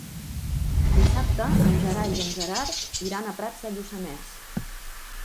Dissabte en Gerai i en Gerard iran a Prats de Lluçanès.